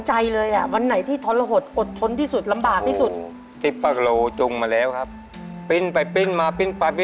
จากดอนเจดีไปบ่อพลอยครับ